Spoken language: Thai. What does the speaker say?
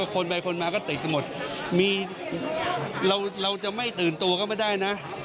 คนไปคนมาก็ติดกันหมดมีเราจะไม่ตื่นตัวก็ไม่ได้นะ